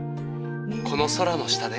この空の下で。